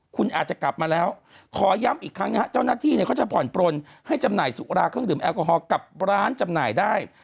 คุณอาจจะกลับมาแล้วขอย้ำอีกครั้งนะฮะเจ้าหน้าที่เนี่ยเขาจะผ่อนปลนให้จำหน่ายสุราเครื่องดื่มแอลกอฮอลกับร้านจำหน่ายได้